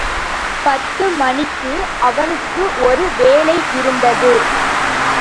பத்து மணிக்கு அவனுக்கு ஒரு வேலை இருந்தது.